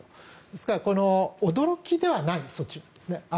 ですから驚きではない措置なんです。